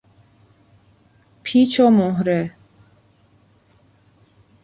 پیچ و مهره